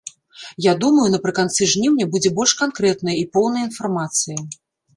Я думаю, напрыканцы жніўня будзе больш канкрэтная і поўная інфармацыя.